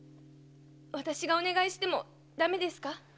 私がお願いしてもだめですか。